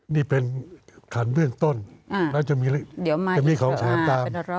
นี่เป็นขันเบื้องต้นอ่าเดี๋ยวมาจะมีของผสมตาม